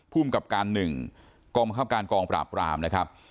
ภูมิกรับการหนึ่งกองประครับการกองปราบกรามนะครับ